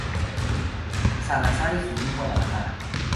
Salazar estudió en Guadalajara.